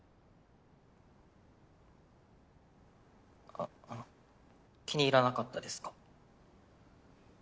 ああの気に入らなかったですか？